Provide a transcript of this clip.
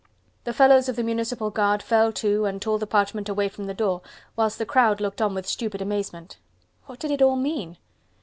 The fellows of the municipal guard fell to and tore the parchment away from the door whilst the crowd looked on with stupid amazement. What did it all mean?